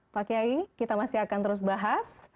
pak kiai kita masih akan terus bahas